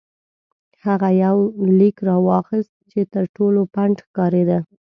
هغه یو لیک راواخیست چې تر ټولو پڼد ښکارېده.